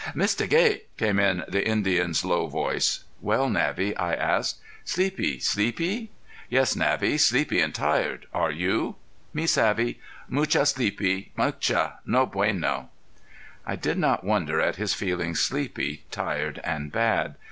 "Mista Gay!" came in the Indian's low voice. "Well Navvy?" I asked. "Sleepie sleepie?" "Yes, Navvy, sleepy and tired. Are you?" "Me savvy mucha sleepie mucha no bueno." I did not wonder at his feeling sleepy, tired and bad.